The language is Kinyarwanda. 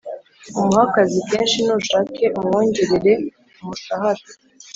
umuhe akazi kenshi nushake umwongerere umushahara